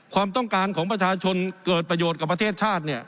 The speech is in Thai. ความต้องการของประชาชนเกิดประโยชน์กับประเทศชาติ